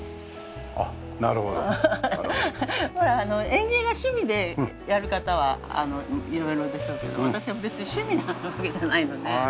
園芸が趣味でやる方は色々でしょうけど私は別に趣味なわけじゃないので。